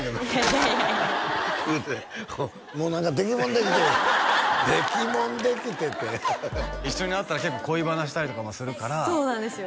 いやいや「もう何かできもんできて」って「できもんできて」って一緒に会ったら結構恋バナしたりとかもするからそうなんですよ